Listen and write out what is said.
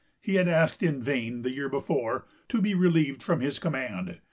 He had asked in vain, the year before, to be relieved from his command.